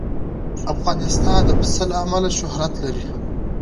افغانستان د پسه له امله شهرت لري.